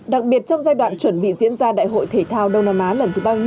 đặc biệt trong giai đoạn chuẩn bị diễn ra đại hội thể thao đông nam á lần thứ ba mươi